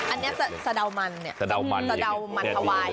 อันนี้สะเดามันสะเดามันคาวาล